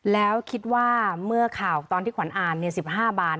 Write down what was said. แล้วคิดว่าเมื่อข่าวตอนที่ขวัญอ่าน๑๕บาท